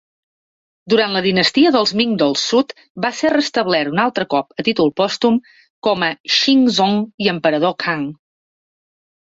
Durant la dinastia dels Ming del Sud, va ser restablert un altre cop, a títol pòstum, com a Xingzong i emperador Kang.